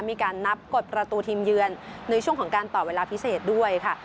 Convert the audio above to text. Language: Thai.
มีการนับกดประตูทีมเยือนในช่วงของการต่อเวลาพิเศษด้วยค่ะ